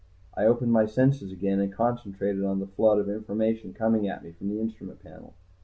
I opened my senses again and concentrated on the flood of information coming at me from the instrument panel.